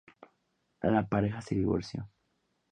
La pareja se divorció.